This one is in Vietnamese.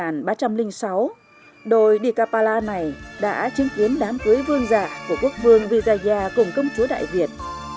năm một nghìn ba trăm linh sáu đồi dikapala này đã chứng kiến đám cưới vương dạ của quốc vương vidyaya cùng công chúa đại việt